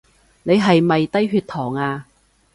你係咪低血糖呀？